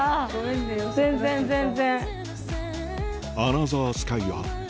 全然全然。